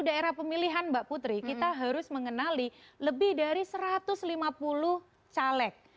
di daerah pemilihan mbak putri kita harus mengenali lebih dari satu ratus lima puluh caleg